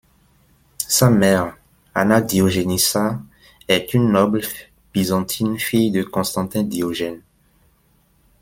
Sa mère Anna Diogenissa, est une noble byzantine, fille de Constantin Diogène.